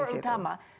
ya aktor utama